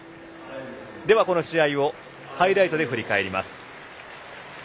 この試合をハイライトで振り返ります。